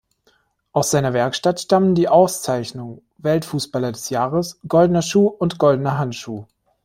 Aus seiner Werkstatt stammen die Auszeichnungen: Weltfußballer des Jahres, Goldener Schuh und Goldener Handschuh.